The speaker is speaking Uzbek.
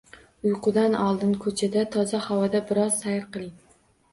Uyqudan oldin ko‘chada, toza havoda bir oz sayr qiling.